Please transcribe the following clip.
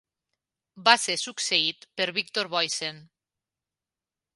Va ser succeït per Victor Boysen.